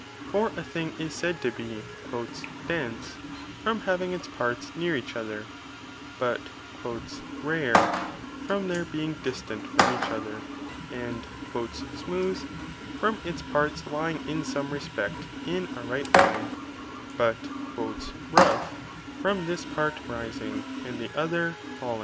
For a thing is said to be " dense," from having its parts near each other, but "rare," from their being distant from eacholher, and " Braooth," from its parte lying in some respect in a ripht line, but "rough," from this part, rising, and the other, falling, J.